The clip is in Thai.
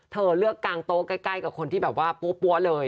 เธอเลือกกางโต๊ะใกล้กับคนที่แบบว่าปั๊วเลย